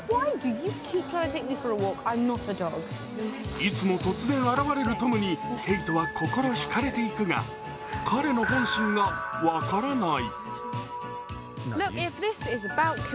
いつも突然現れるトムにケイトは心引かれていくが彼の本心が分からない。